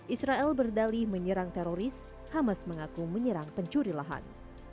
israel berdali menyerang teroris hamas mengaku menyerang pencuri lahan